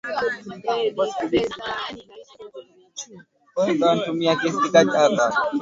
walishambulia kambi za jeshi la Tchanzu na Runyonyi